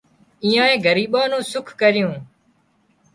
ايئانئي ڳريٻان نُون سُک ڪريون